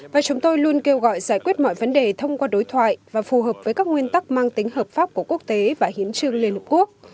và chúng tôi luôn kêu gọi giải quyết mọi vấn đề thông qua đối thoại và phù hợp với các nguyên tắc mang tính hợp pháp của quốc tế và hiến trương liên hợp quốc